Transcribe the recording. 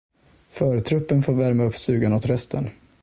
Förtruppen får värma upp stugan åt resten.